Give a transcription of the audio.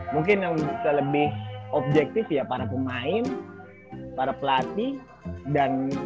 mungkin yang bisa lebih objektif ya para pemain para pelatih dan